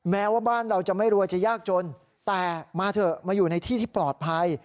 แม้ว่าบ้านเราจะไม่รวยจะยากจนแต่มาเถอะมาอยู่ในที่ที่ปลอดภัย